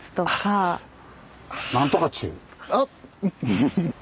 フフフ。